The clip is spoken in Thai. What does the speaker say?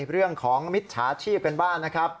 เรื่องของภิกษาชีพร้านบ้านครับ